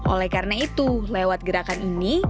oleh karena itu lewat gerakan ini